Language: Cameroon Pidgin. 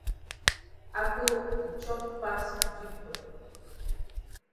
Ako di chop pass Victor.